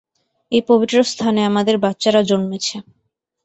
এই পবিত্র স্থানে আমাদের বাচ্চারা জন্মেছে।